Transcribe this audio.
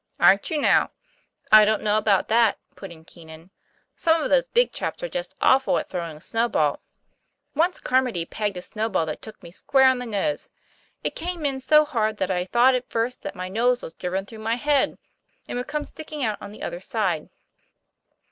'Aren't you, now? I don't know about that," put in Keenan. " Some of those big chaps are just awful at throwing a snowball. Once Carmody pegged a snowball that took me square on the nose. It came in so hard, that I thought at first that my nose was driven through my head, and would come sticking out on the other side."